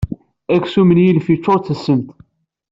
Aksum n yilef yeččuṛ d tassemt.